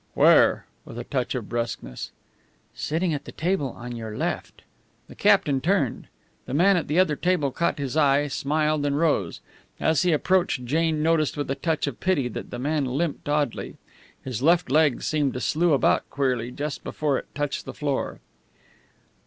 "Where?" with a touch of brusqueness. "Sitting at the table on your left." The captain turned. The man at the other table caught his eye, smiled, and rose. As he approached Jane noticed with a touch of pity that the man limped oddly. His left leg seemed to slue about queerly just before it touched the floor.